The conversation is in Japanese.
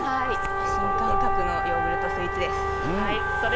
新感覚のヨーグルトスイーツです。